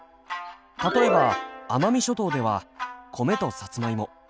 例えば奄美諸島では米とさつまいも。